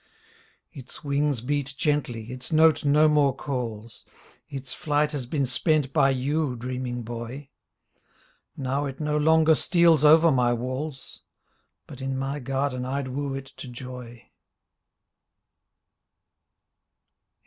Its wings beat gently, its note no more calls. Its flight has been spent by you, dreaming Boy ! Now it no longer steals over my walls — But in my garden I'd woo it to joy.